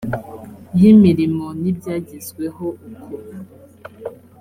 y imirimo n ibyagezweho uko